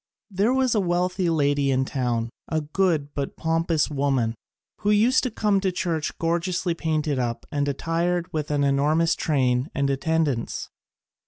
There was a wealthy lady in town, a good but pompous woman, who used to come to the church gorgeously painted up and attired with an enormous train and attendants.